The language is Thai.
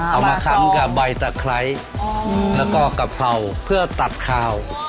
เอามาคันกับใบตะไคร้อ๋อแล้วก็กับเผ่าเพื่อตัดขาวอ๋อ